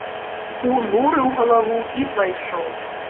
Унурыў галаву і пайшоў.